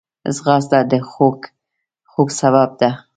ځغاسته د خوږ خوب سبب ده